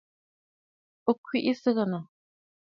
Ò kwìʼi sɨgɨ̀nə̀.